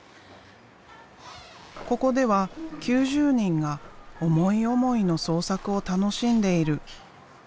ここでは９０人が思い思いの創作を楽しんでいる。